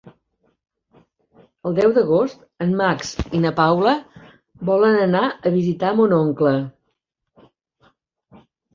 El deu d'agost en Max i na Paula volen anar a visitar mon oncle.